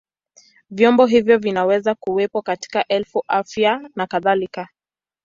Vyombo hivyo vinaweza kuwepo katika elimu, afya na kadhalika.